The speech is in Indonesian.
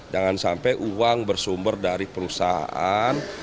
jangan sampai uang bersumber dari perusahaan